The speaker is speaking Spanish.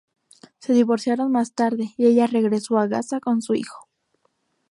Se divorciaron más tarde, y ella regresó a Gaza con su hijo.